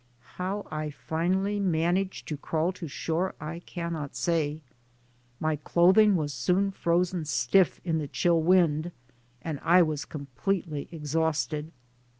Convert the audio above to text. How I finally man aged to crawl to shore I cannot say. My clothing was soon frozen stiff in the chill wind and I was completely exhausted.